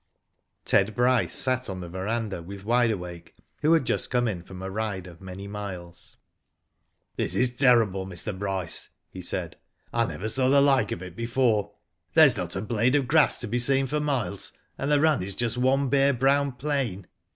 Ted Bryce sat on the verandah with Wide Awake, who had just come in from a ride of many miles. " This is terrible, Mr. Bryce," he said. " I never saw the like of it before. There is not a blade of grass to be seen for miles, and the run is just one bare brown plain."